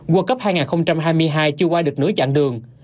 world cup hai nghìn hai mươi hai chưa qua được nửa chặng đường